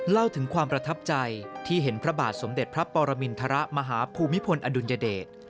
เล่าถึงความประทับใจที่เห็นพระบาทสมเด็จพระปรมินทรมาฮภูมิพลอดุลยเดช